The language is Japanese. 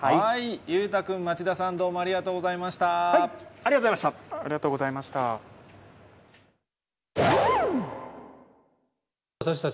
裕太君、町田さん、どうもあありがとうございました。